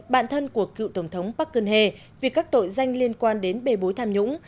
bạn thân của cựu tổng thống park geun hye vì các tội danh liên quan đến bề bối tham nhũng